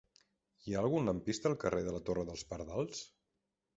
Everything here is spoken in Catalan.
Hi ha algun lampista al carrer de la Torre dels Pardals?